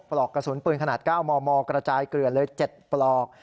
ปลอกกระสุนปืนขนาด๙มมกระจายเกลือนเลย๗ปลอก